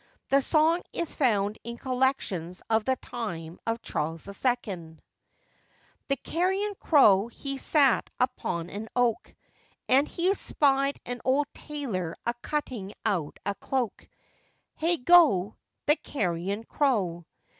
The song is found in collections of the time of Charles II.] THE carrion crow he sat upon an oak, And he spied an old tailor a cutting out a cloak. Heigho! the carrion crow.